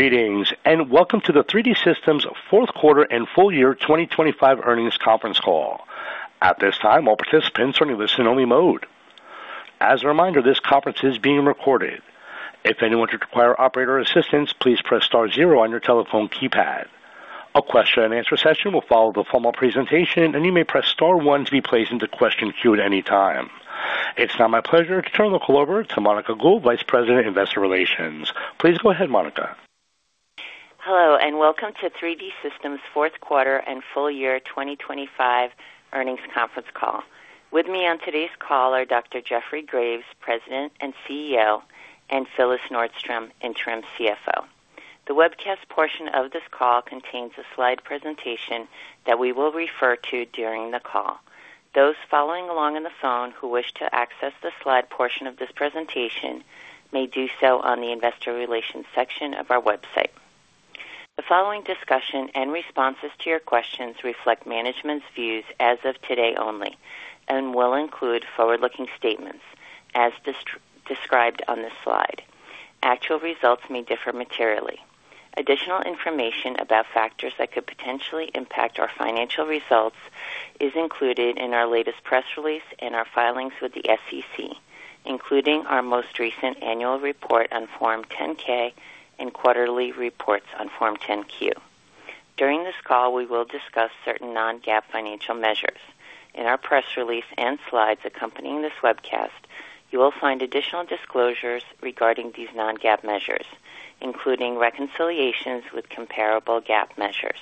Welcome to the 3D Systems fourth quarter and full year 2025 earnings conference call. At this time, all participants are in listen-only mode. As a reminder, this conference is being recorded. If anyone should require operator assistance, please press star 0 on your telephone keypad. A question-and-answer session will follow the formal presentation. You may press star 1 to be placed into question queue at any time. It's now my pleasure to turn the call over to Monica Gould, Vice President, Investor Relations. Please go ahead, Monica. Hello, welcome to 3D Systems fourth quarter and full year 2025 earnings conference call. With me on today's call are Dr. Jeffrey Graves, President and CEO, and Phyllis Nordstrom, Interim CFO. The webcast portion of this call contains a slide presentation that we will refer to during the call. Those following along on the phone who wish to access the slide portion of this presentation may do so on the investor relations section of our website. The following discussion and responses to your questions reflect management's views as of today only and will include forward-looking statements as described on this slide. Actual results may differ materially. Additional information about factors that could potentially impact our financial results is included in our latest press release and our filings with the SEC, including our most recent annual report on Form 10-K and quarterly reports on Form 10-Q. During this call, we will discuss certain non-GAAP financial measures. In our press release and slides accompanying this webcast, you will find additional disclosures regarding these non-GAAP measures, including reconciliations with comparable GAAP measures.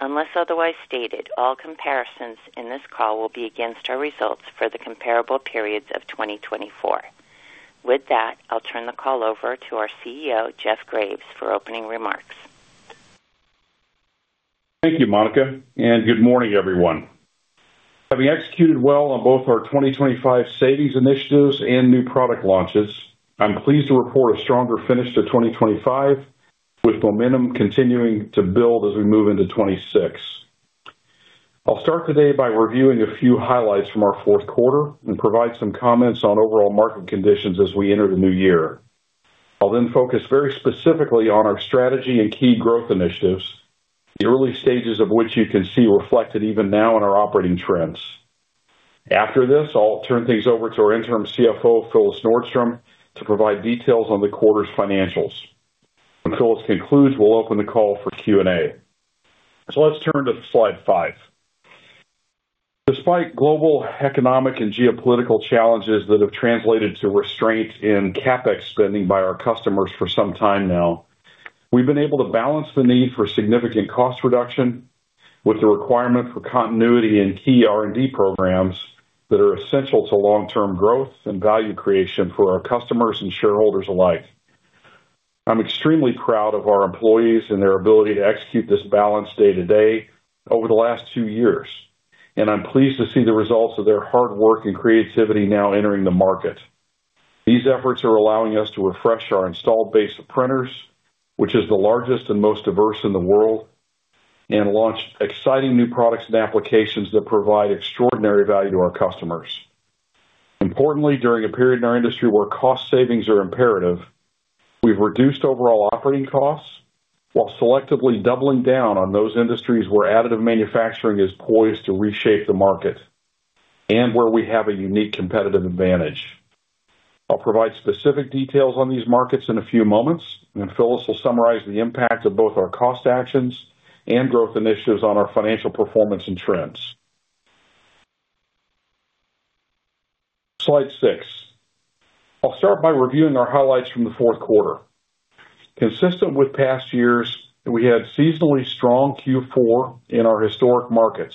Unless otherwise stated, all comparisons in this call will be against our results for the comparable periods of 2024. With that, I'll turn the call over to our CEO, Jeff Graves for opening remarks. Thank you, Monica. Good morning, everyone. Having executed well on both our 2025 savings initiatives and new product launches, I'm pleased to report a stronger finish to 2025, with momentum continuing to build as we move into 2026. I'll start today by reviewing a few highlights from our 4th quarter and provide some comments on overall market conditions as we enter the new year. I'll focus very specifically on our strategy and key growth initiatives, the early stages of which you can see reflected even now in our operating trends. After this, I'll turn things over to our Interim CFO, Phyllis Nordstrom, to provide details on the quarter's financials. When Phyllis concludes, we'll open the call for Q&A. Let's turn to slide 5. Despite global economic and geopolitical challenges that have translated to restraint in CapEx spending by our customers for some time now, we've been able to balance the need for significant cost reduction with the requirement for continuity in key R&D programs that are essential to long-term growth and value creation for our customers and shareholders alike. I'm extremely proud of our employees and their ability to execute this balance day-to-day over the last 2 years, and I'm pleased to see the results of their hard work and creativity now entering the market. These efforts are allowing us to refresh our installed base of printers, which is the largest and most diverse in the world, and launch exciting new products and applications that provide extraordinary value to our customers. During a period in our industry where cost savings are imperative, we've reduced overall operating costs while selectively doubling down on those industries where additive manufacturing is poised to reshape the market and where we have a unique competitive advantage. I'll provide specific details on these markets in a few moments, Phyllis will summarize the impact of both our cost actions and growth initiatives on our financial performance and trends. Slide 6. I'll start by reviewing our highlights from the fourth quarter. Consistent with past years, we had seasonally strong Q4 in our historic markets.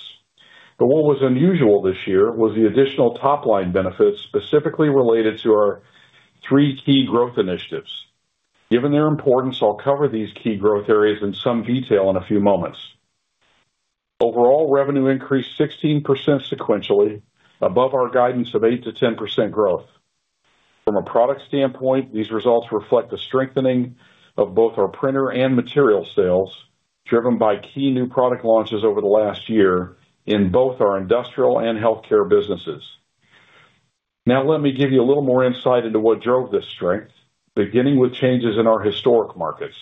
What was unusual this year was the additional top-line benefits specifically related to our 3 key growth initiatives. Given their importance, I'll cover these key growth areas in some detail in a few moments. Revenue increased 16% sequentially above our guidance of 8%-10% growth. From a product standpoint, these results reflect the strengthening of both our printer and material sales, driven by key new product launches over the last year in both our industrial and healthcare businesses. Let me give you a little more insight into what drove this strength, beginning with changes in our historic markets.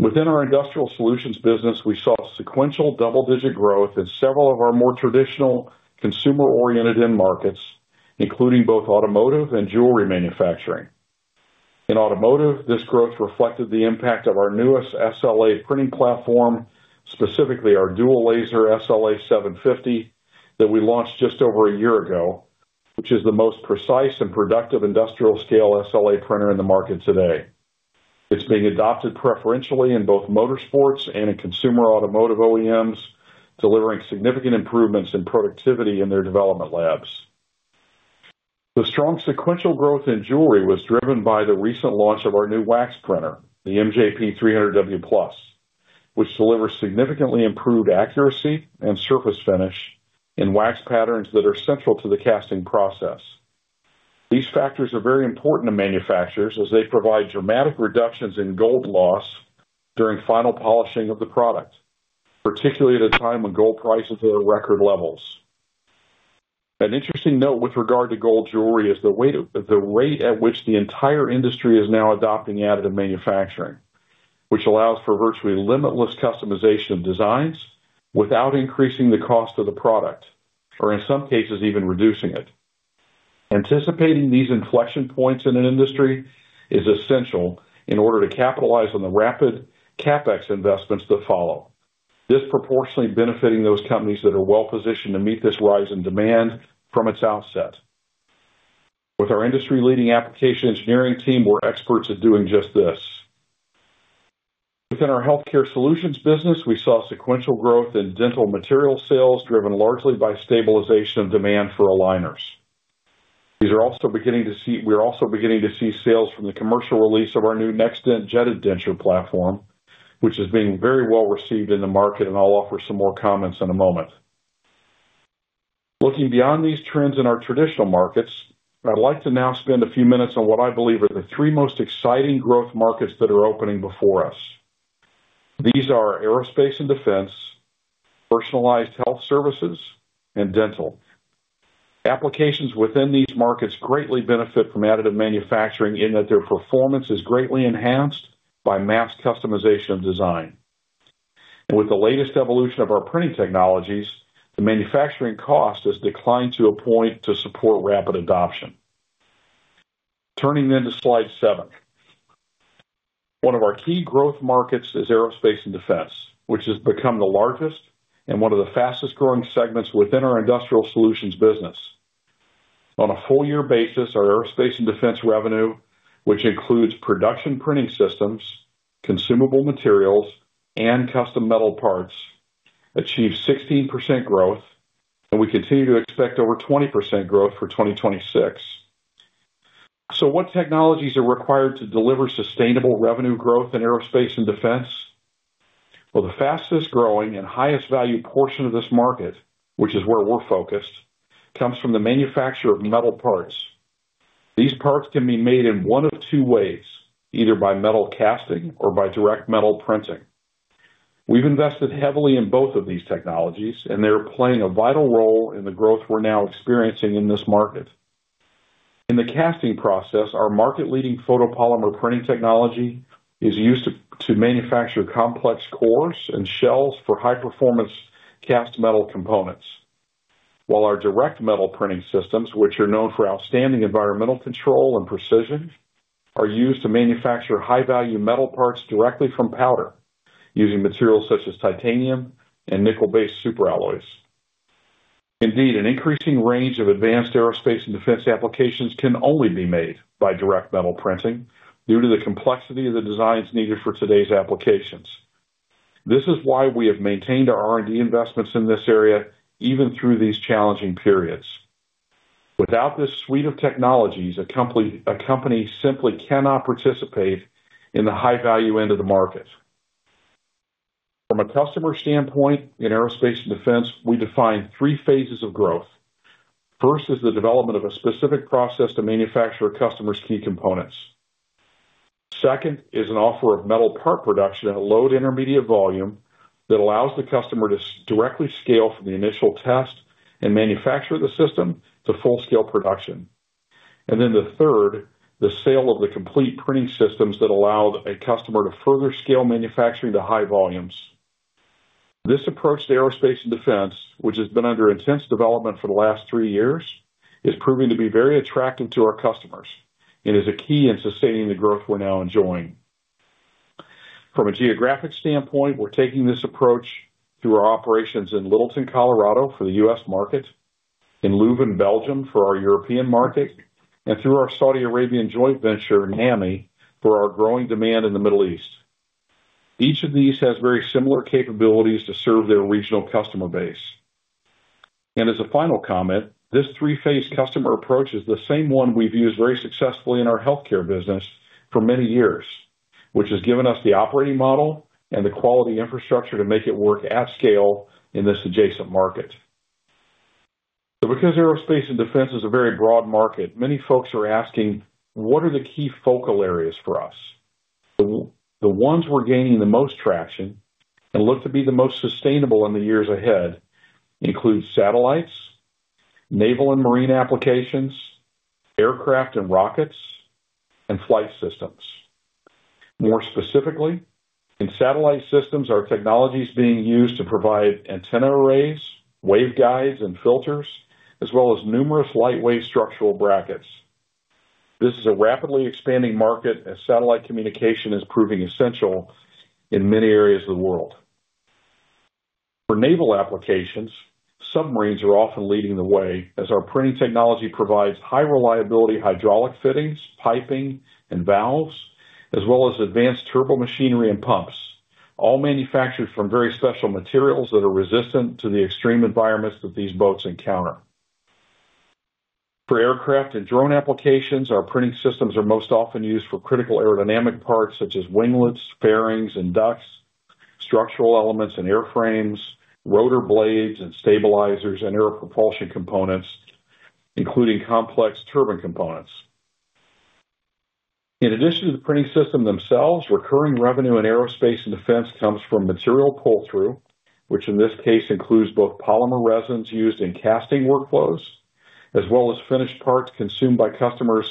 Within our industrial solutions business, we saw sequential double-digit growth in several of our more traditional consumer-oriented end markets, including both automotive and jewelry manufacturing. In automotive, this growth reflected the impact of our newest SLA printing platform, specifically our dual laser SLA 750 that we launched just over a year ago, which is the most precise and productive industrial scale SLA printer in the market today. It's being adopted preferentially in both motorsports and in consumer automotive OEMs, delivering significant improvements in productivity in their development labs. The strong sequential growth in jewelry was driven by the recent launch of our new wax printer, the MJP 300W+, which delivers significantly improved accuracy and surface finish in wax patterns that are central to the casting process. These factors are very important to manufacturers as they provide dramatic reductions in gold loss during final polishing of the product, particularly at a time when gold prices are at record levels. Interesting note with regard to gold jewelry is the rate at which the entire industry is now adopting additive manufacturing, which allows for virtually limitless customization of designs without increasing the cost of the product, or in some cases even reducing it. Anticipating these inflection points in an industry is essential in order to capitalize on the rapid CapEx investments that follow, disproportionately benefiting those companies that are well-positioned to meet this rise in demand from its outset. With our industry-leading application engineering team, we're experts at doing just this. Within our healthcare solutions business, we saw sequential growth in dental material sales, driven largely by stabilization of demand for aligners. We are also beginning to see sales from the commercial release of our new NextDent jetted denture platform, which is being very well received in the market, and I'll offer some more comments in a moment. Looking beyond these trends in our traditional markets, I'd like to now spend a few minutes on what I believe are the three most exciting growth markets that are opening before us. These are aerospace and defense, personalized health services, and dental. Applications within these markets greatly benefit from additive manufacturing in that their performance is greatly enhanced by mass customization of design. With the latest evolution of our printing technologies, the manufacturing cost has declined to a point to support rapid adoption. Turning to slide 7. One of our key growth markets is aerospace and defense, which has become the largest and one of the fastest-growing segments within our industrial solutions business. On a full year basis, our aerospace and defense revenue, which includes production printing systems, consumable materials, and custom metal parts, achieved 16% growth, and we continue to expect over 20% growth for 2026. What technologies are required to deliver sustainable revenue growth in aerospace and defense? Well, the fastest-growing and highest value portion of this market, which is where we're focused, comes from the manufacture of metal parts. These parts can be made in one of two ways, either by metal casting or by direct metal printing. We've invested heavily in both of these technologies. They are playing a vital role in the growth we're now experiencing in this market. In the casting process, our market-leading photopolymer printing technology is used to manufacture complex cores and shells for high-performance cast metal components. While our direct metal printing systems, which are known for outstanding environmental control and precision, are used to manufacture high-value metal parts directly from powder using materials such as titanium and nickel-based superalloys. Indeed, an increasing range of advanced aerospace and defense applications can only be made by direct metal printing due to the complexity of the designs needed for today's applications. This is why we have maintained our R&D investments in this area, even through these challenging periods. Without this suite of technologies, a company simply cannot participate in the high-value end of the market. From a customer standpoint in aerospace and defense, we define three phases of growth. First is the development of a specific process to manufacture a customer's key components. Second is an offer of metal part production at a low to intermediate volume that allows the customer to directly scale from the initial test and manufacture the system to full-scale production. The third, the sale of the complete printing systems that allow a customer to further scale manufacturing to high volumes. This approach to aerospace and defense, which has been under intense development for the last three years, is proving to be very attractive to our customers and is a key in sustaining the growth we're now enjoying. From a geographic standpoint, we're taking this approach through our operations in Littleton, Colorado, for the US market, in Leuven, Belgium, for our European market, and through our Saudi Arabian joint venture in NAMI for our growing demand in the Middle East. Each of these has very similar capabilities to serve their regional customer base. As a final comment, this three-phase customer approach is the same one we've used very successfully in our healthcare business for many years, which has given us the operating model and the quality infrastructure to make it work at scale in this adjacent market. Because aerospace and defense is a very broad market, many folks are asking, what are the key focal areas for us? The ones we're gaining the most traction and look to be the most sustainable in the years ahead include satellites, naval and marine applications, aircraft and rockets, and flight systems. More specifically, in satellite systems, our technology is being used to provide antenna arrays, waveguides, and filters, as well as numerous lightweight structural brackets. This is a rapidly expanding market as satellite communication is proving essential in many areas of the world. For naval applications, submarines are often leading the way as our printing technology provides high reliability hydraulic fittings, piping, and valves, as well as advanced turbomachinery and pumps, all manufactured from very special materials that are resistant to the extreme environments that these boats encounter. For aircraft and drone applications, our printing systems are most often used for critical aerodynamic parts such as winglets, fairings, and ducts, structural elements and airframes, rotor blades and stabilizers, and aero-propulsion components, including complex turbine components. In addition to the printing system themselves, recurring revenue in aerospace and defense comes from material pull-through, which in this case includes both polymer resins used in casting workflows, as well as finished parts consumed by customers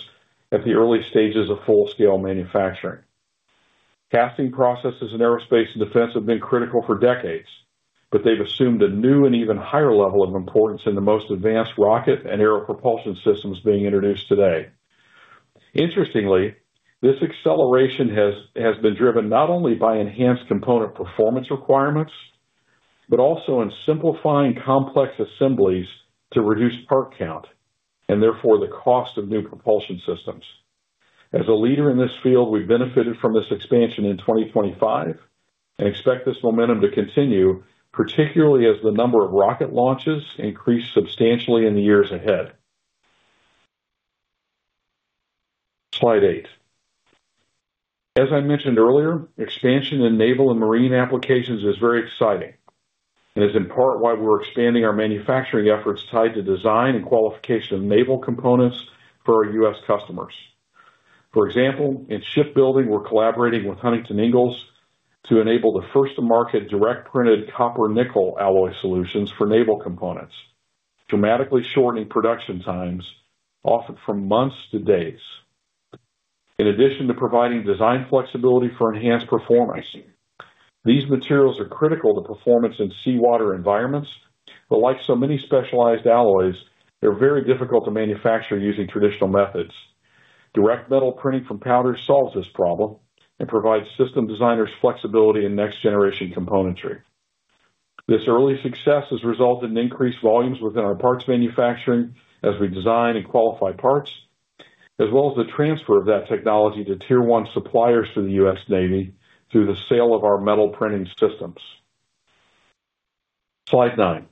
at the early stages of full-scale manufacturing. Casting processes in aerospace and defense have been critical for decades, but they've assumed a new and even higher level of importance in the most advanced rocket and aero-propulsion systems being introduced today. Interestingly, this acceleration has been driven not only by enhanced component performance requirements, but also in simplifying complex assemblies to reduce part count and therefore the cost of new propulsion systems. As a leader in this field, we've benefited from this expansion in 2025 and expect this momentum to continue, particularly as the number of rocket launches increase substantially in the years ahead. Slide 8. As I mentioned earlier, expansion in naval and marine applications is very exciting and is in part why we're expanding our manufacturing efforts tied to design and qualification of naval components for our U.S. customers. For example, in shipbuilding, we're collaborating with Huntington Ingalls to enable the first-to-market direct printed copper-nickel alloy solutions for naval components, dramatically shortening production times, often from months to days. In addition to providing design flexibility for enhanced performance, these materials are critical to performance in seawater environments, like so many specialized alloys, they're very difficult to manufacture using traditional methods. Direct metal printing from powder solves this problem and provides system designers flexibility in next-generation componentry. This early success has resulted in increased volumes within our parts manufacturing as we design and qualify parts, as well as the transfer of that technology to tier one suppliers to the US Navy through the sale of our metal printing systems. Slide nine.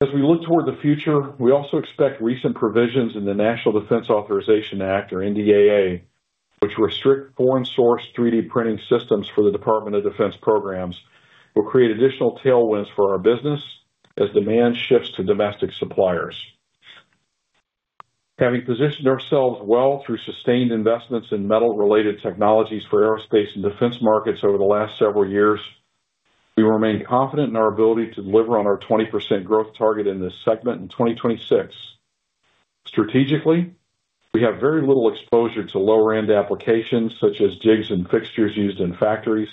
As we look toward the future, we also expect recent provisions in the National Defense Authorization Act, or NDAA, which restrict foreign source 3D printing systems for the Department of Defense programs, will create additional tailwinds for our business as demand shifts to domestic suppliers. Having positioned ourselves well through sustained investments in metal-related technologies for aerospace and defense markets over the last several years, we remain confident in our ability to deliver on our 20% growth target in this segment in 2026. Strategically, we have very little exposure to lower-end applications such as jigs and fixtures used in factories,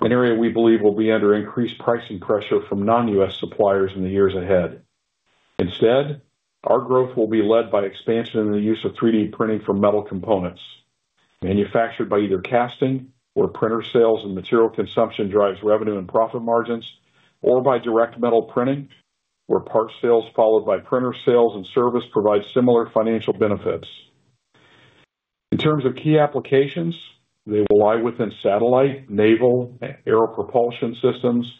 an area we believe will be under increased pricing pressure from non-U.S. suppliers in the years ahead. Instead, our growth will be led by expansion in the use of 3D printing for metal components manufactured by either casting or printer sales and material consumption drives revenue and profit margins, or by direct metal printing, where part sales followed by printer sales and service provide similar financial benefits. In terms of key applications, they lie within satellite, naval, aero propulsion systems,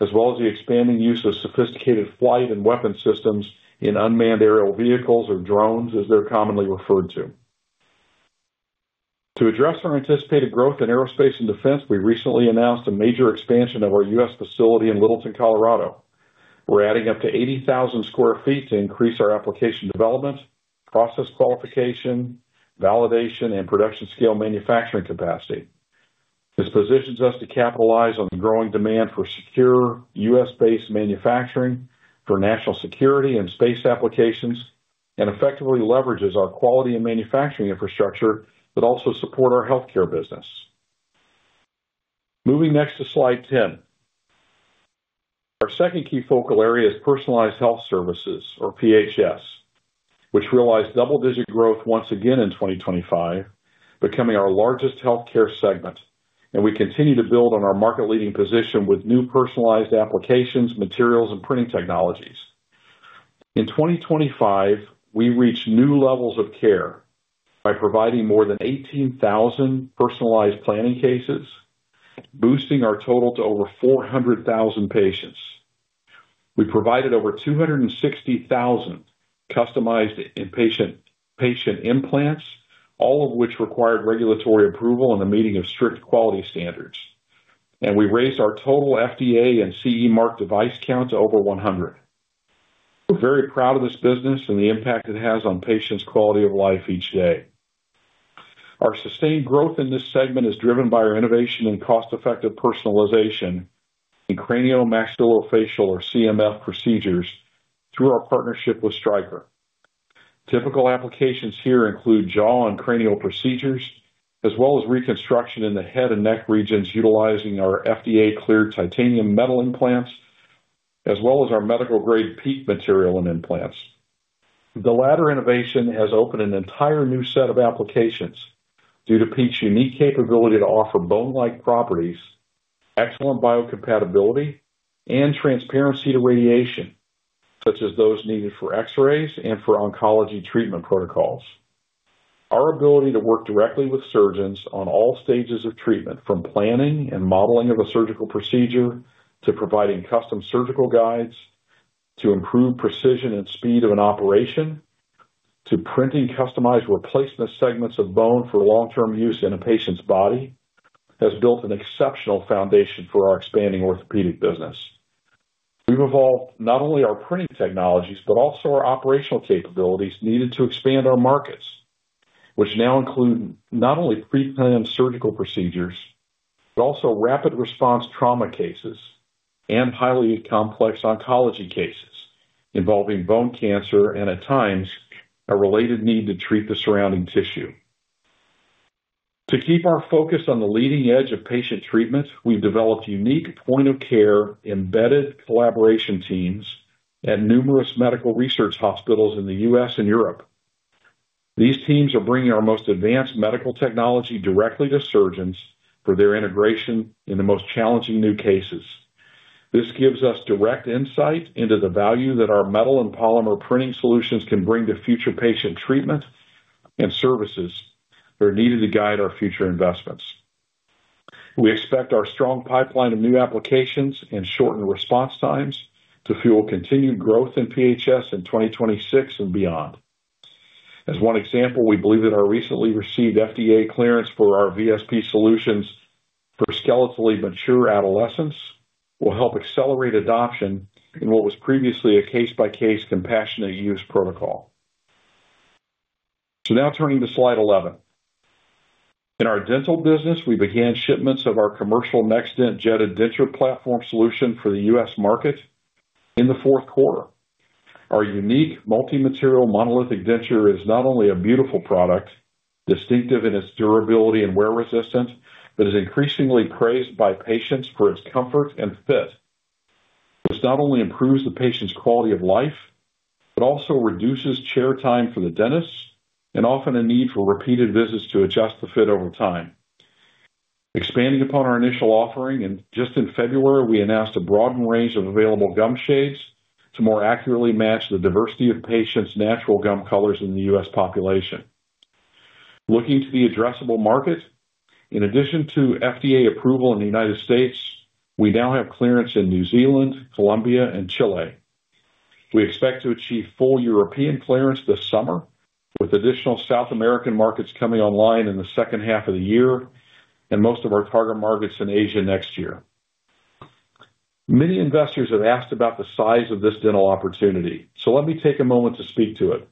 as well as the expanding use of sophisticated flight and weapon systems in unmanned aerial vehicles or drones, as they're commonly referred to. To address our anticipated growth in aerospace and defense, we recently announced a major expansion of our U.S. facility in Littleton, Colorado. We're adding up to 80,000 square feet to increase our application development, process qualification, validation, and production scale manufacturing capacity. This positions us to capitalize on the growing demand for secure U.S.-based manufacturing for national security and space applications, and effectively leverages our quality and manufacturing infrastructure that also support our healthcare business. Moving next to slide 10. Our second key focal area is personalized health services or PHS, which realized double-digit growth once again in 2025, becoming our largest healthcare segment. We continue to build on our market-leading position with new personalized applications, materials, and printing technologies. In 2025, we reached new levels of care by providing more than 18,000 personalized planning cases, boosting our total to over 400,000 patients. We provided over 260,000 customized inpatient patient implants, all of which required regulatory approval and the meeting of strict quality standards. We raised our total FDA and CE mark device count to over 100. We're very proud of this business and the impact it has on patients' quality of life each day. Our sustained growth in this segment is driven by our innovation in cost-effective personalization in craniomaxillofacial or CMF procedures through our partnership with Stryker. Typical applications here include jaw and cranial procedures, as well as reconstruction in the head and neck regions utilizing our FDA-cleared titanium metal implants, as well as our medical-grade PEEK material and implants. The latter innovation has opened an entire new set of applications due to PEEK's unique capability to offer bone-like properties, excellent biocompatibility, and transparency to radiation, such as those needed for X-rays and for oncology treatment protocols. Our ability to work directly with surgeons on all stages of treatment, from planning and modeling of a surgical procedure to providing custom surgical guides to improve precision and speed of an operation, to printing customized replacement segments of bone for long-term use in a patient's body, has built an exceptional foundation for our expanding orthopedic business. We've evolved not only our printing technologies, but also our operational capabilities needed to expand our markets, which now include not only pre-planned surgical procedures, but also rapid response trauma cases and highly complex oncology cases involving bone cancer and, at times, a related need to treat the surrounding tissue. To keep our focus on the leading edge of patient treatment, we've developed unique point-of-care embedded collaboration teams at numerous medical research hospitals in the U.S. and Europe. These teams are bringing our most advanced medical technology directly to surgeons for their integration in the most challenging new cases. This gives us direct insight into the value that our metal and polymer printing solutions can bring to future patient treatment and services that are needed to guide our future investments. We expect our strong pipeline of new applications and shortened response times to fuel continued growth in PHS in 2026 and beyond. As one example, we believe that our recently received FDA clearance for our VSP solutions for skeletally mature adolescents will help accelerate adoption in what was previously a case-by-case compassionate use protocol. Now turning to slide 11. In our dental business, we began shipments of our commercial NextDent Jetted Denture Solution platform for the U.S. market in the 4th quarter. Our unique multi-material monolithic denture is not only a beautiful product, distinctive in its durability and wear resistance, but is increasingly praised by patients for their comfort and fit. This not only improves the patient's quality of life, but also reduces chair time for the dentist and often a need for repeated visits to adjust the fit over time. Expanding upon our initial offering, just in February, we announced a broadened range of available gum shades to more accurately match the diversity of patients' natural gum colors in the U.S. population. Looking to the addressable market, in addition to FDA approval in the United States, we now have clearance in New Zealand, Colombia, and Chile. We expect to achieve full European clearance this summer, with additional South American markets coming online in the second half of the year and most of our target markets in Asia next year. Many investors have asked about the size of this dental opportunity, let me take a moment to speak to it.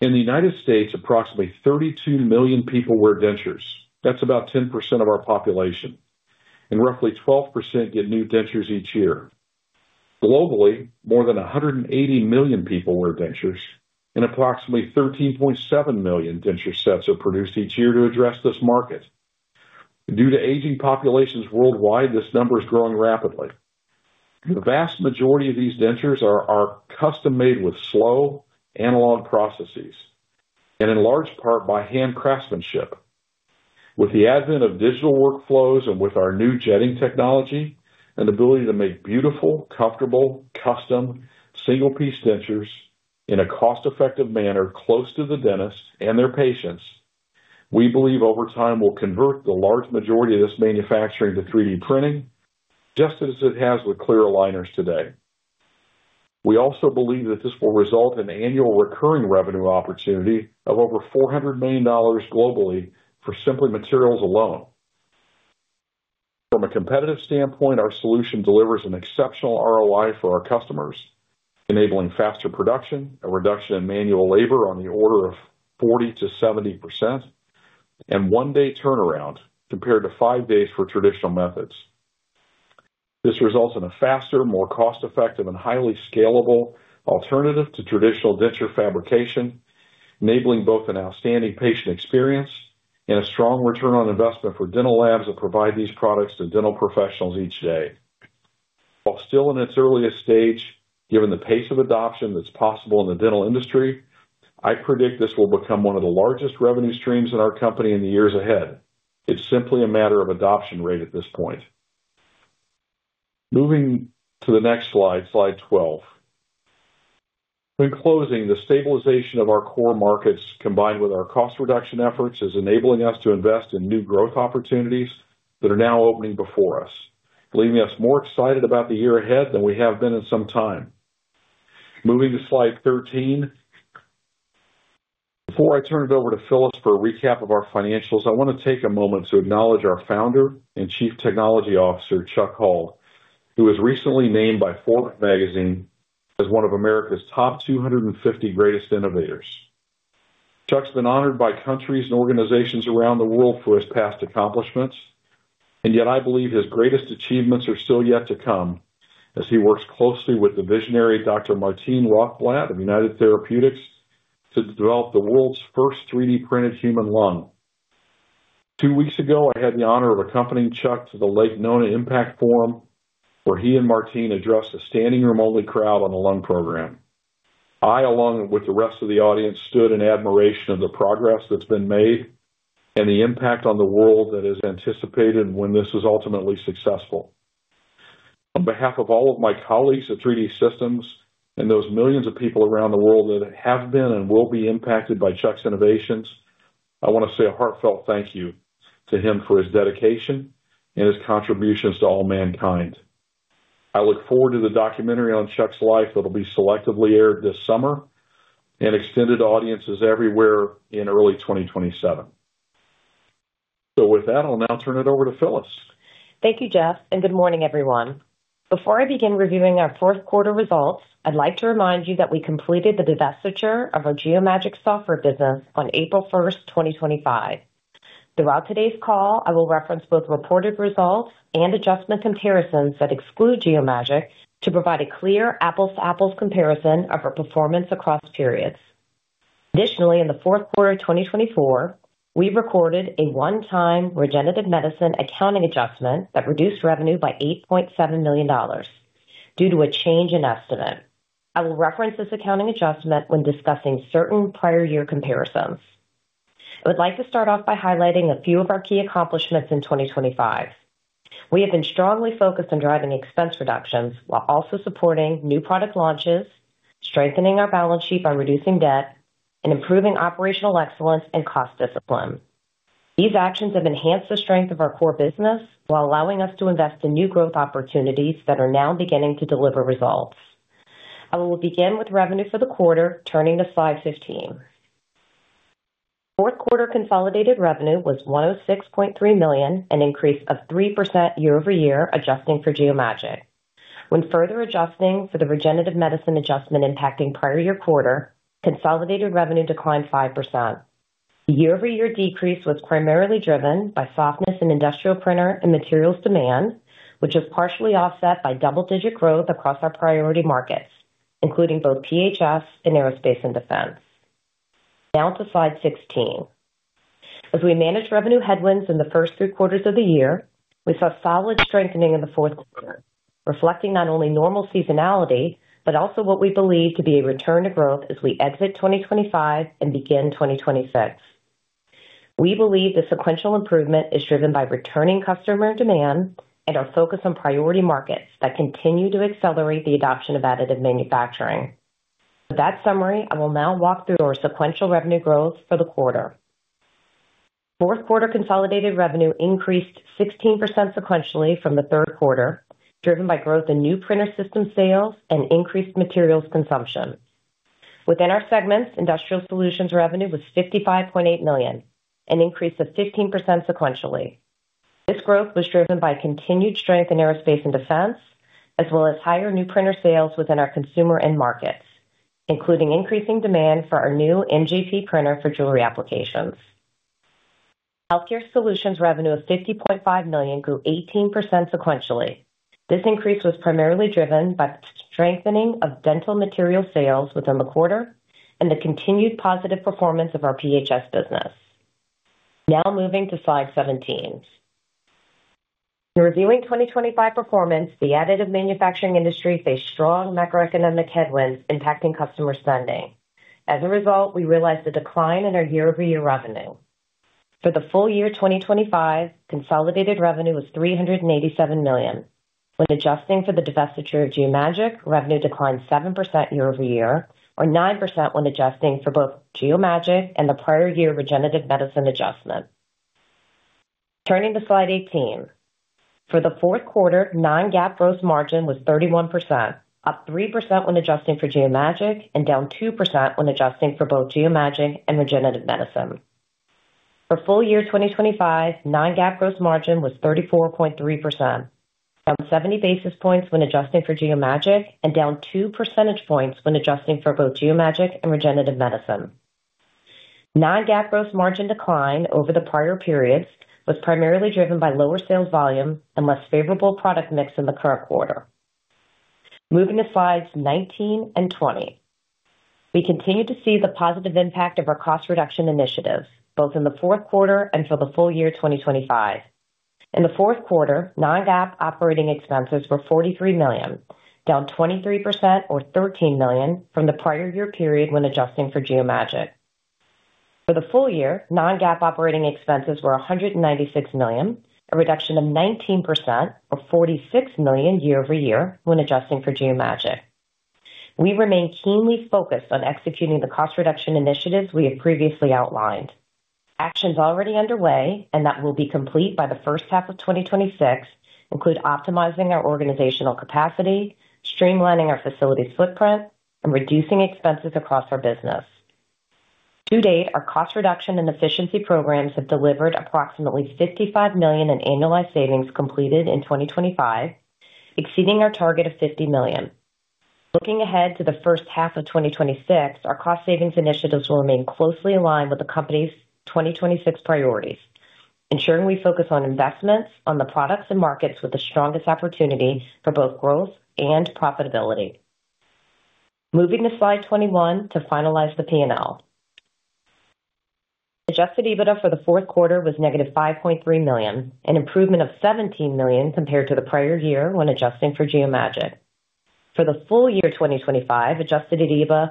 In the United States, approximately 32 million people wear dentures. That's about 10% of our population, and roughly 12% get new dentures each year. Globally, more than 180 million people wear dentures, and approximately 13.7 million denture sets are produced each year to address this market. Due to aging populations worldwide, this number is growing rapidly. The vast majority of these dentures are custom-made with slow analog processes and in large part by hand craftsmanship. With the advent of digital workflows and with our new jetting technology and ability to make beautiful, comfortable, custom single-piece dentures in a cost-effective manner close to the dentist and their patients, we believe over time we'll convert the large majority of this manufacturing to 3D printing, just as it has with clear aligners today. We also believe that this will result in annual recurring revenue opportunity of over $400 million globally for simply materials alone. From a competitive standpoint, our solution delivers an exceptional ROI for our customers, enabling faster production, a reduction in manual labor on the order of 40%-70%, and 1-day turnaround compared to 5 days for traditional methods. This results in a faster, more cost-effective, and highly scalable alternative to traditional denture fabrication, enabling both an outstanding patient experience and a strong return on investment for dental labs that provide these products to dental professionals each day. While still in its earliest stage, given the pace of adoption that's possible in the dental industry, I predict this will become one of the largest revenue streams in our company in the years ahead. It's simply a matter of adoption rate at this point. Moving to the next slide 12. In closing, the stabilization of our core markets, combined with our cost reduction efforts, is enabling us to invest in new growth opportunities that are now opening before us, leaving us more excited about the year ahead than we have been in some time. Moving to slide 13. Before I turn it over to Phyllis for a recap of our financials, I want to take a moment to acknowledge our founder and Chief Technology Officer, Chuck Hull, who was recently named by Forbes Magazine as one of America's top 250 greatest innovators. Chuck's been honored by countries and organizations around the world for his past accomplishments, and yet I believe his greatest achievements are still yet to come as he works closely with the visionary Dr. Martine Rothblatt of United Therapeutics to develop the world's first 3D-printed human lung. Two weeks ago, I had the honor of accompanying Chuck to the Lake Nona Impact Forum, where he and Martine addressed a standing-room-only crowd on the lung program. I, along with the rest of the audience, stood in admiration of the progress that's been made and the impact on the world that is anticipated when this is ultimately successful. On behalf of all of my colleagues at 3D Systems and those millions of people around the world that have been and will be impacted by Chuck's innovations, I want to say a heartfelt thank you to him for his dedication and his contributions to all mankind. I look forward to the documentary on Chuck's life that'll be selectively aired this summer and extended to audiences everywhere in early 2027. With that, I'll now turn it over to Phyllis. Thank you, Jeff, and good morning, everyone. Before I begin reviewing our fourth quarter results, I'd like to remind you that we completed the divestiture of our Geomagic software business on April first, 2025. Throughout today's call, I will reference both reported results and adjustment comparisons that exclude Geomagic to provide a clear apples to apples comparison of our performance across periods. Additionally, in the fourth quarter of 2024, we recorded a one-time regenerative medicine accounting adjustment that reduced revenue by $8.7 million due to a change in estimate. I will reference this accounting adjustment when discussing certain prior year comparisons. I would like to start off by highlighting a few of our key accomplishments in 2025. We have been strongly focused on driving expense reductions while also supporting new product launches, strengthening our balance sheet by reducing debt, and improving operational excellence and cost discipline. These actions have enhanced the strength of our core business while allowing us to invest in new growth opportunities that are now beginning to deliver results. I will begin with revenue for the quarter. Turning to slide 15. Fourth quarter consolidated revenue was $106.3 million, an increase of 3% year-over-year, adjusting for Geomagic. When further adjusting for the regenerative medicine adjustment impacting prior year quarter, consolidated revenue declined 5%. Year-over-year decrease was primarily driven by softness in industrial printer and materials demand, which was partially offset by double-digit growth across our priority markets, including both PHS and aerospace and defense. To slide 16. As we manage revenue headwinds in the first three quarters of the year, we saw solid strengthening in the Fourth quarter, reflecting not only normal seasonality, but also what we believe to be a return to growth as we exit 2025 and begin 2026. We believe the sequential improvement is driven by returning customer demand and our focus on priority markets that continue to accelerate the adoption of additive manufacturing. With that summary, I will now walk through our sequential revenue growth for the quarter. Fourth quarter consolidated revenue increased 16% sequentially from the third quarter, driven by growth in new printer system sales and increased materials consumption. Within our segments, Industrial Solutions revenue was $55.8 million, an increase of 15% sequentially. This growth was driven by continued strength in aerospace and defense, as well as higher new printer sales within our consumer end markets, including increasing demand for our new NGP printer for jewelry applications. Healthcare Solutions revenue of $50.5 million grew 18% sequentially. This increase was primarily driven by strengthening of dental material sales within the quarter and the continued positive performance of our PHS business. Now moving to slide 17. In reviewing 2025 performance, the additive manufacturing industry faced strong macroeconomic headwinds impacting customer spending. As a result, we realized a decline in our year-over-year revenue. For the full year 2025, consolidated revenue was $387 million. When adjusting for the divestiture of Geomagic, revenue declined 7% year-over-year or 9% when adjusting for both Geomagic and the prior year regenerative medicine adjustment. Turning to slide 18. For the fourth quarter, non-GAAP gross margin was 31%, up 3% when adjusting for Geomagic and down 2% when adjusting for both Geomagic and regenerative medicine. For full year 2025, non-GAAP gross margin was 34.3%, down 70 basis points when adjusting for Geomagic, and down 2 percentage points when adjusting for both Geomagic and regenerative medicine. Non-GAAP gross margin decline over the prior periods was primarily driven by lower sales volume and less favorable product mix in the current quarter. Moving to slides 19 and 20. We continue to see the positive impact of our cost reduction initiatives both in the fourth quarter and for the full year 2025. In the fourth quarter, non-GAAP operating expenses were $43 million, down 23% or $13 million from the prior year period when adjusting for Geomagic. For the full year, non-GAAP operating expenses were $196 million, a reduction of 19% or $46 million year-over-year when adjusting for Geomagic. We remain keenly focused on executing the cost reduction initiatives we have previously outlined. Actions already underway and that will be complete by the first half of 2026 include optimizing our organizational capacity, streamlining our facility footprint, and reducing expenses across our business. To date, our cost reduction and efficiency programs have delivered approximately $55 million in annualized savings completed in 2025, exceeding our target of $50 million. Looking ahead to the first half of 2026, our cost savings initiatives will remain closely aligned with the company's 2026 priorities, ensuring we focus on investments on the products and markets with the strongest opportunities for both growth and profitability. Moving to slide 21 to finalize the P&L. Adjusted EBITDA for the fourth quarter was negative $5.3 million, an improvement of $17 million compared to the prior year when adjusting for Geomagic. For the full year 2025, adjusted EBITDA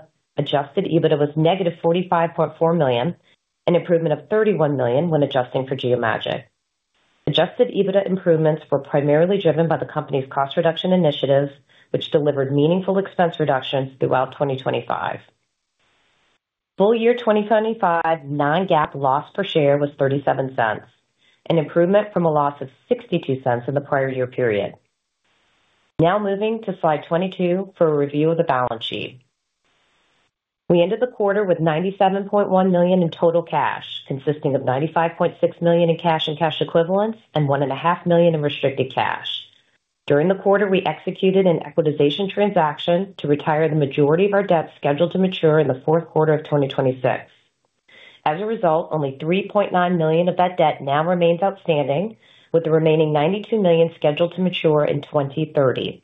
was negative $45.4 million, an improvement of $31 million when adjusting for Geomagic. Adjusted EBITDA improvements were primarily driven by the company's cost reduction initiatives, which delivered meaningful expense reductions throughout 2025. Full year 2025 non-GAAP loss per share was $0.37, an improvement from a loss of $0.62 in the prior year period. Moving to slide 22 for a review of the balance sheet. We ended the quarter with $97.1 million in total cash, consisting of $95.6 million in cash and cash equivalents and one and a half million in restricted cash. During the quarter, we executed an equitization transaction to retire the majority of our debt scheduled to mature in the fourth quarter of 2026. As a result, only $3.9 million of that debt now remains outstanding, with the remaining $92 million scheduled to mature in 2030.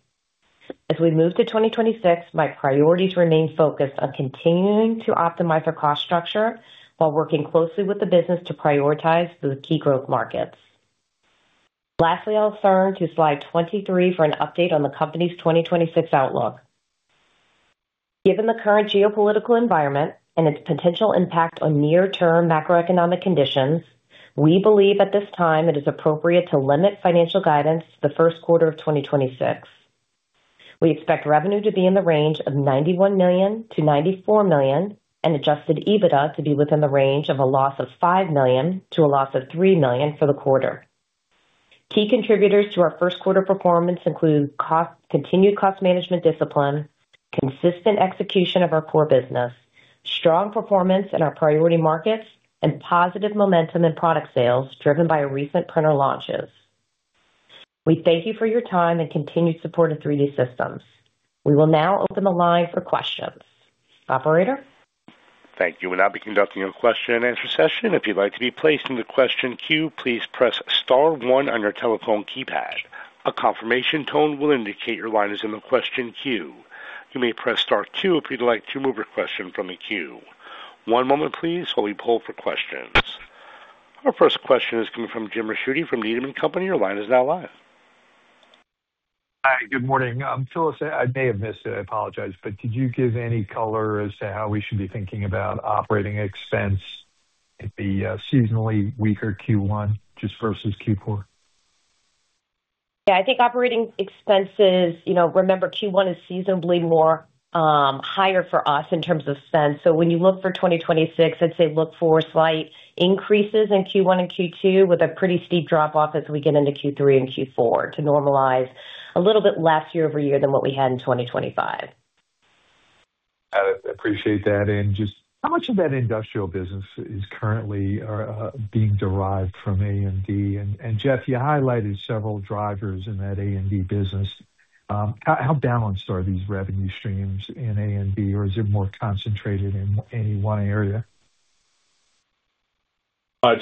As we move to 2026, my priorities remain focused on continuing to optimize our cost structure while working closely with the business to prioritize the key growth markets. Lastly, I'll turn to slide 23 for an update on the company's 2026 outlook. Given the current geopolitical environment and its potential impact on near-term macroeconomic conditions, we believe at this time it is appropriate to limit financial guidance the first quarter of 2026. We expect revenue to be in the range of $91 million-$94 million and adjusted EBITDA to be within the range of a loss of $5 million-$3 million for the quarter. Key contributors to our first quarter performance include cost, continued cost management discipline, consistent execution of our core business, strong performance in our priority markets, and positive momentum in product sales driven by recent printer launches. We thank you for your time and continued support of 3D Systems. We will now open the line for questions. Operator. Thank you. We'll now be conducting a question-and-answer session. If you'd like to be placed in the question queue, please press star one on your telephone keypad. A confirmation tone will indicate your line is in the question queue. You may press star two if you'd like to remove your question from the queue. One moment please while we poll for questions. Our first question is coming from Jim Ricchiuti from Needham & Company. Your line is now live. Hi, good morning. Phyllis, I may have missed it. I apologize, did you give any color as to how we should be thinking about operating expense at the seasonally weaker Q1 just versus Q4? I think operating expenses, you know, remember Q1 is seasonally more higher for us in terms of spend. When you look for 2026, I'd say look for slight increases in Q1 and Q2 with a pretty steep drop off as we get into Q3 and Q4 to normalize a little bit less year-over-year than what we had in 2025. I appreciate that. Just how much of that industrial business is currently being derived from A&D? Jeff, you highlighted several drivers in that A&D business. How balanced are these revenue streams in A&D, or is it more concentrated in any one area? On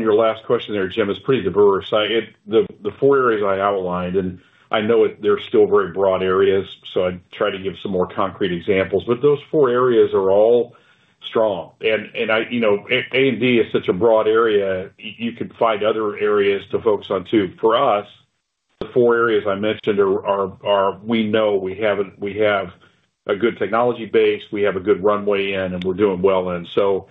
your last question there, Jim, it's pretty diverse. The four areas I outlined, and I know they're still very broad areas, so I'd try to give some more concrete examples, but those four areas are all strong. And I, you know, A&D is such a broad area. You could find other areas to focus on too. For us, the four areas I mentioned are, we know we have a good technology base, we have a good runway in, and we're doing well in. You know,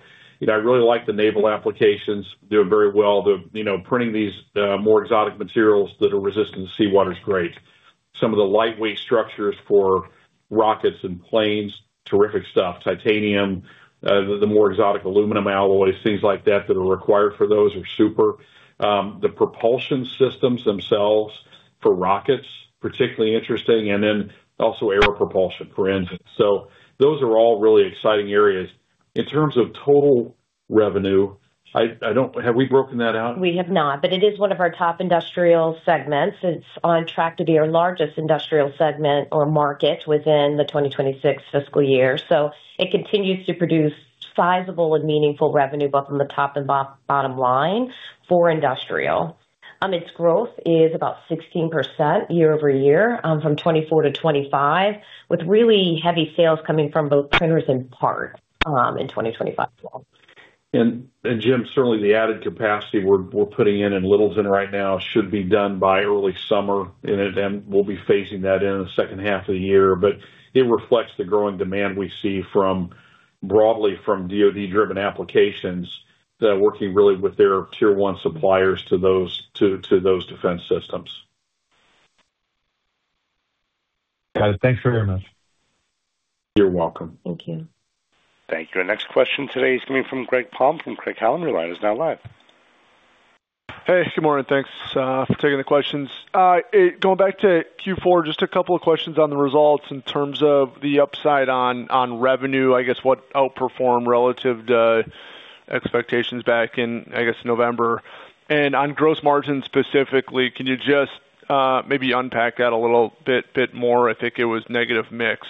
I really like the naval applications. Doing very well. The, you know, printing these more exotic materials that are resistant to seawater is great. Some of the lightweight structures for rockets and planes, terrific stuff. titanium, the more exotic aluminum alloys, things like that are required for those are super. The propulsion systems themselves for rockets, particularly interesting, and then also aero propulsion for engines. Those are all really exciting areas. In terms of total revenue, I don't. Have we broken that out? We have not. It is one of our top industrial segments. It's on track to be our largest industrial segment or market within the 2026 fiscal year. It continues to produce sizable and meaningful revenue both on the top and bottom line for industrial. Its growth is about 16% year-over-year, from 2024 to 2025, with really heavy sales coming from both printers and parts in 2025 as well. Jim, certainly the added capacity we're putting in Littleton right now should be done by early summer, and then we'll be phasing that in the second half of the year. It reflects the growing demand we see from, broadly from DoD driven applications that are working really with their tier one suppliers to those defense systems. Got it. Thanks very much. You're welcome. Thank you. Thank you. Our next question today is coming from Greg Palm from Craig-Hallum. Your line is now live. Hey, good morning. Thanks for taking the questions. Going back to Q4, just a couple of questions on the results in terms of the upside on revenue, I guess what outperformed relative to expectations back in, I guess, November. On gross margin specifically, can you just maybe unpack that a little bit more? I think it was negative mix,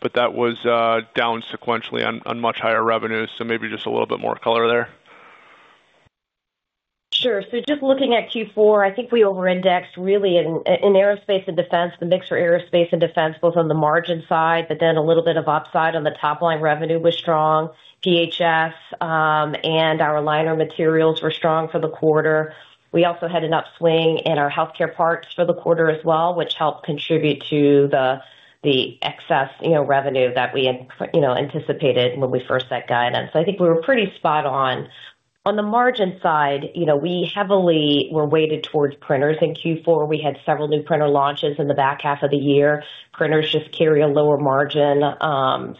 but that was down sequentially on much higher revenues, maybe just a little bit more color there. Sure. Just looking at Q4, I think we over-indexed really in aerospace and defense, the mix for aerospace and defense, both on the margin side, but then a little bit of upside on the top line revenue was strong. PHS and our liner materials were strong for the quarter. We also had an upswing in our healthcare parts for the quarter as well, which helped contribute to the excess, you know, revenue that we, you know, anticipated when we first set guidance. I think we were pretty spot on. On the margin side, you know, we heavily were weighted towards printers. In Q4, we had several new printer launches in the back half of the year. Printers just carry a lower margin,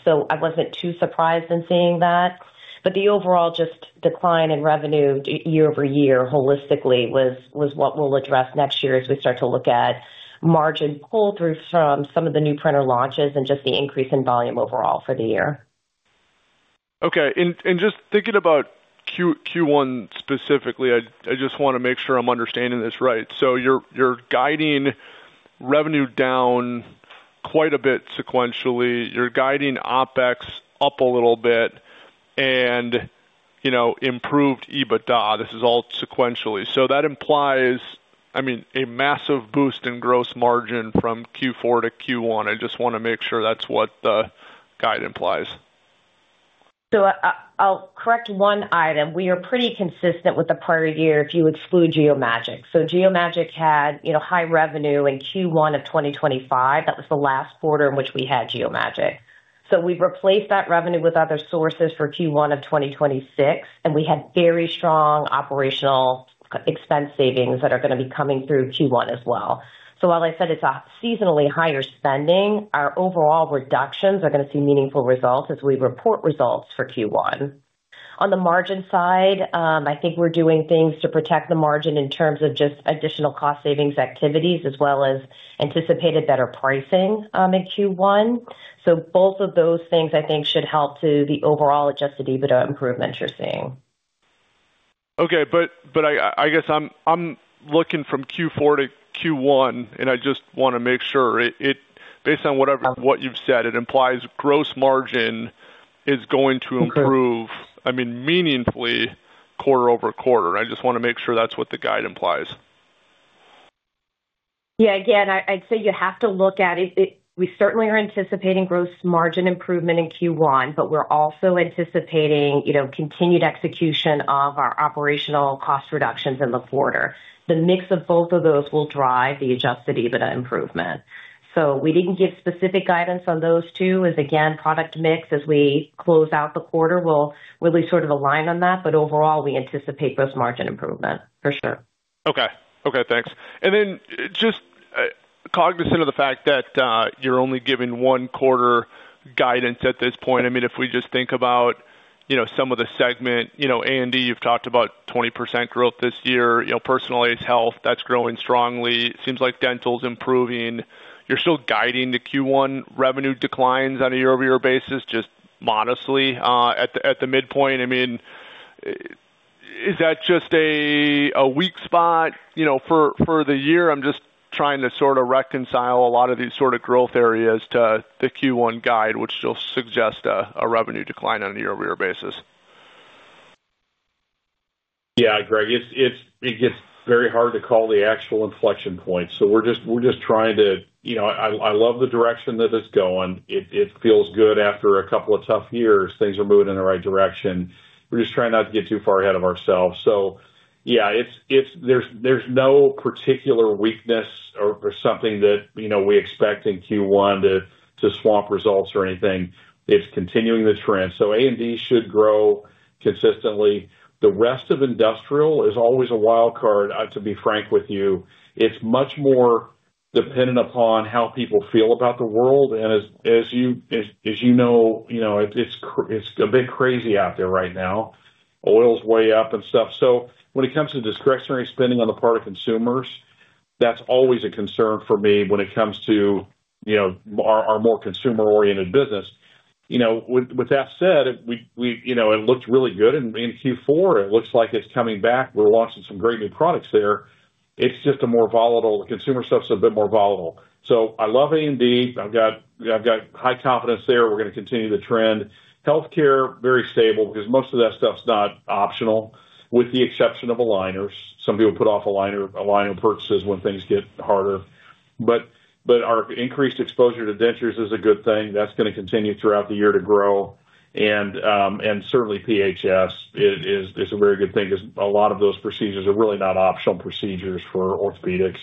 so I wasn't too surprised in seeing that. The overall just decline in revenue year-over-year holistically was what we'll address next year as we start to look at margin pull through from some of the new printer launches and just the increase in volume overall for the year. Okay. Just thinking about Q1 specifically, I just wanna make sure I'm understanding this right. You're guiding revenue down quite a bit sequentially. You're guiding OpEx up a little bit and, you know, improved EBITDA. This is all sequentially. That implies, I mean, a massive boost in gross margin from Q4 to Q1. I just wanna make sure that's what the guide implies. I'll correct 1 item. We are pretty consistent with the prior year if you exclude Geomagic. Geomagic had, you know, high revenue in Q1 of 2025. That was the last quarter in which we had Geomagic. We've replaced that revenue with other sources for Q1 of 2026, and we had very strong operational expense savings that are gonna be coming through Q1 as well. While I said it's a seasonally higher spending, our overall reductions are gonna see meaningful results as we report results for Q1. On the margin side, I think we're doing things to protect the margin in terms of just additional cost savings activities as well as anticipated better pricing in Q1. Both of those things I think should help to the overall adjusted EBITDA improvement you're seeing. Okay. I guess I'm looking from Q4 to Q1, and I just wanna make sure it based on what you've said, it implies gross margin is going to improve. Okay. I mean, meaningfully quarter-over-quarter. I just wanna make sure that's what the guide implies. Yeah. Again, I'd say you have to look at it. We certainly are anticipating gross margin improvement in Q1, but we're also anticipating, you know, continued execution of our operational cost reductions in the quarter. The mix of both of those will drive the adjusted EBITDA improvement. We didn't give specific guidance on those two as again, product mix as we close out the quarter will really sort of align on that. Overall, we anticipate gross margin improvement for sure. Okay. Thanks. Then just cognizant of the fact that you're only giving one quarter guidance at this point. I mean, if we just think about, you know, some of the segment, A&D, you've talked about 20% growth this year. You know, personalized health, that's growing strongly. Seems like dental's improving. You're still guiding the Q1 revenue declines on a year-over-year basis, just modestly at the midpoint. I mean, is that just a weak spot, you know, for the year? I'm just trying to sort of reconcile a lot of these sort of growth areas to the Q1 guide, which still suggest a revenue decline on a year-over-year basis. Greg, it's very hard to call the actual inflection point. We're just trying to. You know, I love the direction that it's going. It feels good after a couple of tough years. Things are moving in the right direction. We're just trying not to get too far ahead of ourselves. Yeah, it's there's no particular weakness or something that, you know, we expect in Q1 to swamp results or anything. It's continuing the trend. A&D should grow consistently. The rest of industrial is always a wild card, to be frank with you. It's much more dependent upon how people feel about the world. As you know, you know, it's a bit crazy out there right now. Oil's way up and stuff. When it comes to discretionary spending on the part of consumers, that's always a concern for me when it comes to, you know, our more consumer-oriented business. You know, with that said, we, you know, it looked really good in Q4. It looks like it's coming back. We're launching some great new products there. It's just a more volatile. The consumer stuff's a bit more volatile. I love A&D. I've got high confidence there. We're gonna continue the trend. Healthcare, very stable because most of that stuff's not optional with the exception of aligners. Some people put off aligner purchases when things get harder. Our increased exposure to dentures is a good thing. That's gonna continue throughout the year to grow. Certainly PHS is a very good thing 'cause a lot of those procedures are really not optional procedures for orthopedics.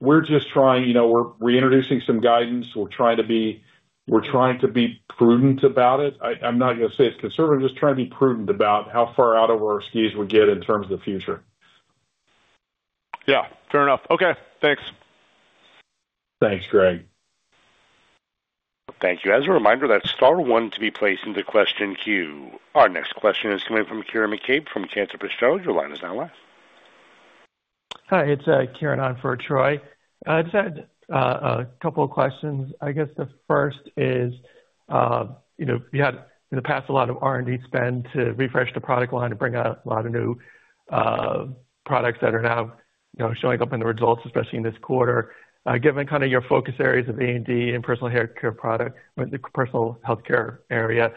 We're just trying, you know, we're reintroducing some guidance. We're trying to be prudent about it. I'm not gonna say it's conservative. Just trying to be prudent about how far out over our skis we get in terms of the future. Yeah, fair enough. Okay, thanks. Thanks, Greg. Thank you. As a reminder, that's star one to be placed into question queue. Our next question is coming from Kieran McCabe from Cantor Fitzgerald. Your line is now live. Hi, it's Kieran on for Troy. I just had a couple of questions. I guess the first is, you know, you had in the past a lot of R&D spend to refresh the product line to bring out a lot of new products that are now, you know, showing up in the results, especially in this quarter. Given kind of your focus areas of A&D and the personal healthcare area,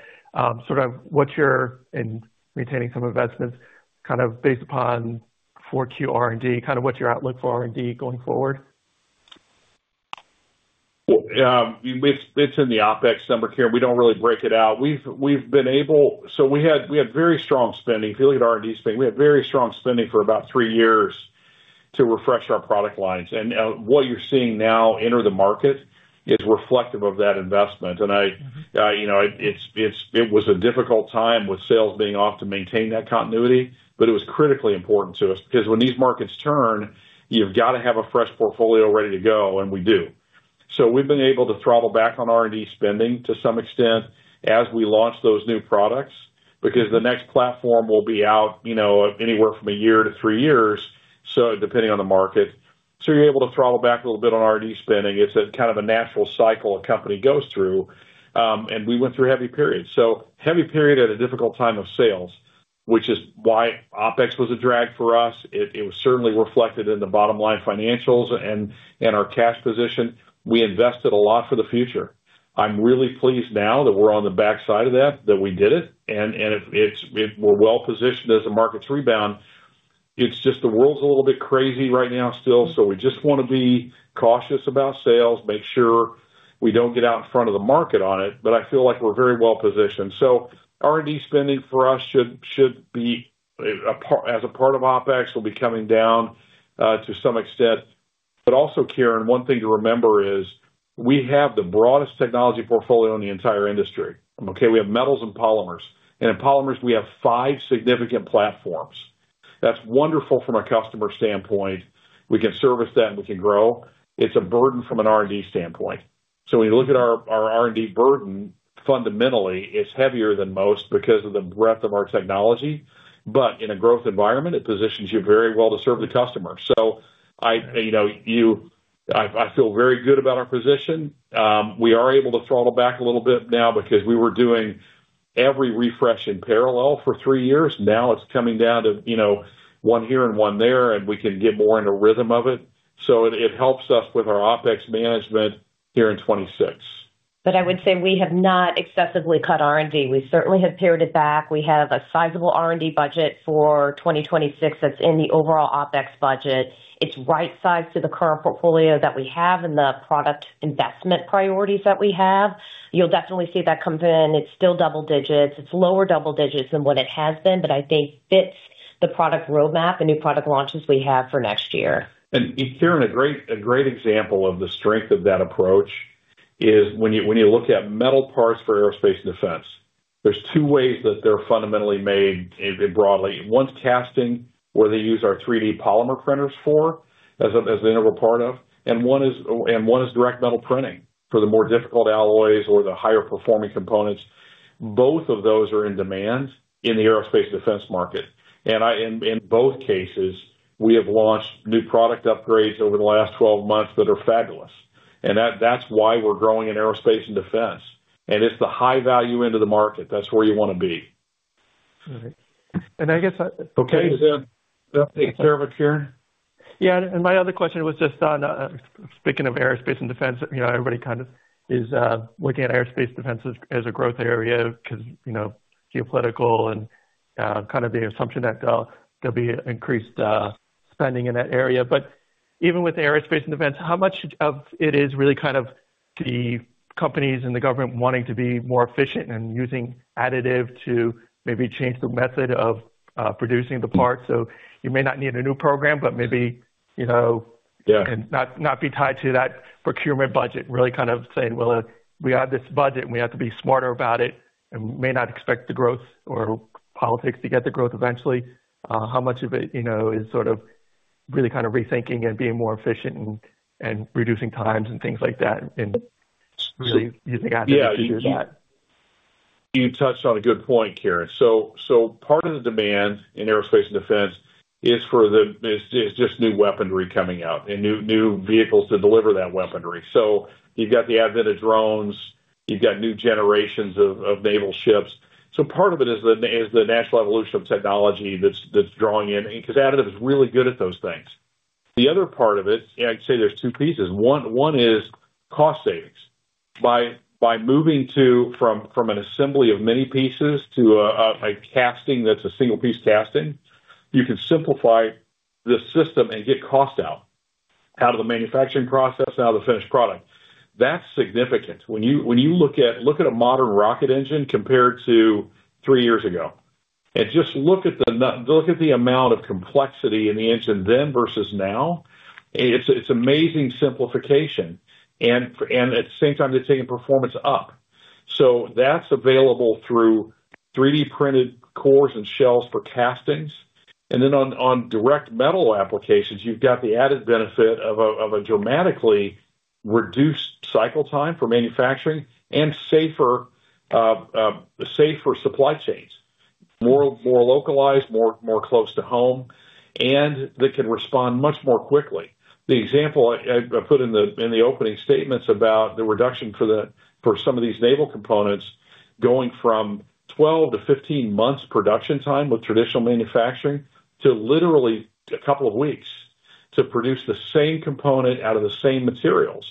sort of in maintaining some investments, kind of based upon 4Q R&D, kind of what's your outlook for R&D going forward? Well, it's in the OPEX number, Kieran. We don't really break it out. We had very strong spending. If you look at R&D spending, we had very strong spending for about three years to refresh our product lines. What you're seeing now enter the market is reflective of that investment. I, you know, it was a difficult time with sales being off to maintain that continuity, but it was critically important to us because when these markets turn, you've got to have a fresh portfolio ready to go, and we do. We've been able to throttle back on R&D spending to some extent as we launch those new products, because the next platform will be out, you know, anywhere from a year to three years, so depending on the market. You're able to throttle back a little bit on R&D spending. It's a kind of a natural cycle a company goes through. We went through a heavy period. Heavy period at a difficult time of sales, which is why OpEx was a drag for us. It was certainly reflected in the bottom line financials and our cash position. We invested a lot for the future. I'm really pleased now that we're on the backside of that we did it, and we're well positioned as the markets rebound. It's just the world's a little bit crazy right now still, we just wanna be cautious about sales, make sure we don't get out in front of the market on it. I feel like we're very well positioned. R&D spending for us should be as a part of OpEx, will be coming down to some extent. Also, Kieran, one thing to remember is we have the broadest technology portfolio in the entire industry, okay? We have metals and polymers. In polymers, we have five significant platforms. That's wonderful from a customer standpoint. We can service them, we can grow. It's a burden from an R&D standpoint. When you look at our R&D burden, fundamentally, it's heavier than most because of the breadth of our technology. In a growth environment, it positions you very well to serve the customer. I, you know, I feel very good about our position. We are able to throttle back a little bit now because we were doing every refresh in parallel for three years. Now it's coming down to, you know, one here and one there, and we can get more into rhythm of it. It helps us with our OpEx management here in 2026. I would say we have not excessively cut R&D. We certainly have pared it back. We have a sizable R&D budget for 2026 that's in the overall OPEX budget. It's right-sized to the current portfolio that we have and the product investment priorities that we have. You'll definitely see that come in. It's still double digits. It's lower double digits than what it has been, but I think fits the product roadmap and new product launches we have for next year. Kieran, a great example of the strength of that approach is when you look at metal parts for aerospace and defense, there's two ways that they're fundamentally made broadly. One's casting, where they use our 3D polymer printers for as an integral part of, and one is direct metal printing for the more difficult alloys or the higher performing components. Both of those are in demand in the aerospace defense market. In both cases, we have launched new product upgrades over the last 12 months that are fabulous. That's why we're growing in aerospace and defense. It's the high value end of the market. That's where you wanna be. All right. I guess. Okay. Does that take care of it, Kieran? My other question was just on speaking of aerospace and Defense, you know, everybody kind of is looking at aerospace Defense as a growth area because, you know, geopolitical and kind of the assumption that there'll be increased spending in that area. Even with aerospace and Defense, how much of it is really kind of the companies and the government wanting to be more efficient and using additive to maybe change the method of producing the parts? You may not need a new program, but maybe, you know... Yeah. not be tied to that procurement budget, really kind of saying, "Well, we have this budget and we have to be smarter about it, and may not expect the growth or politics to get the growth eventually." How much of it, you know, is sort of really kind of rethinking and being more efficient and reducing times and things like that, and really using additives to do that? You touched on a good point, Karen. Part of the demand in aerospace and defense is just new weaponry coming out and new vehicles to deliver that weaponry. You've got the advent of drones, you've got new generations of naval ships. Part of it is the natural evolution of technology that's drawing in, 'cause additive is really good at those things. The other part of it, and I'd say there's two pieces. One is cost savings. By moving from an assembly of many pieces to a casting that's a single piece casting, you can simplify the system and get cost out of the manufacturing process, out of the finished product. That's significant. When you look at a modern rocket engine compared to 3 years ago, and just look at the amount of complexity in the engine then versus now. It's amazing simplification. At the same time, they're taking performance up. That's available through 3D printed cores and shells for castings. Then on direct metal applications, you've got the added benefit of a dramatically reduced cycle time for manufacturing and safer supply chains. More localized, more close to home, and that can respond much more quickly. The example I put in the opening statements about the reduction for some of these naval components going from 12 to 15 months production time with traditional manufacturing to literally a couple of weeks to produce the same component out of the same materials.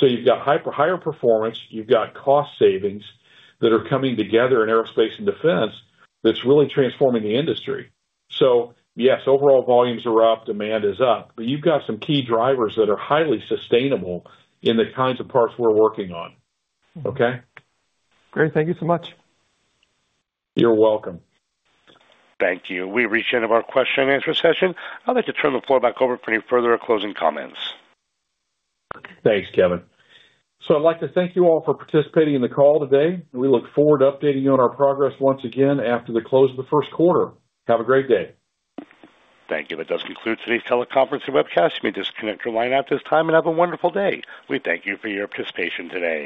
You've got higher performance, you've got cost savings that are coming together in aerospace and defense that's really transforming the industry. Yes, overall volumes are up, demand is up, but you've got some key drivers that are highly sustainable in the kinds of parts we're working on. Okay? Great. Thank you so much. You're welcome. Thank you. We've reached the end of our question and answer session. I'd like to turn the floor back over for any further closing comments. Thanks, Kevin. I'd like to thank you all for participating in the call today, and we look forward to updating you on our progress once again after the close of the first quarter. Have a great day. Thank you. That does conclude today's teleconference and webcast. You may disconnect your line at this time and have a wonderful day. We thank you for your participation today.